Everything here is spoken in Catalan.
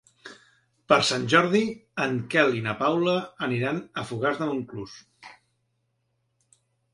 Per Sant Jordi en Quel i na Paula aniran a Fogars de Montclús.